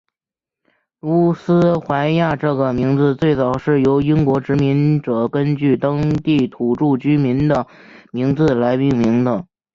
乌斯怀亚这个名字最早是由英国殖民者根据当地土着居民的名字来命名的。